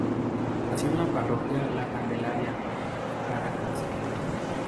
Nació en la parroquia La Candelaria, Caracas.